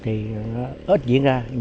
ít diễn ra